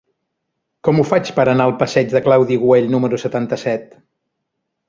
Com ho faig per anar al passeig de Claudi Güell número setanta-set?